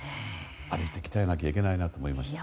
歩かなきゃいけないなと思いました。